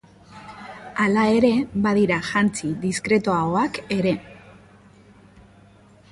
Halere, badira jantzi diskretoagoak ere.